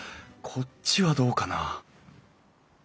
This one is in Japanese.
こっちはどうかな？